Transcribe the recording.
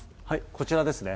こちらですね。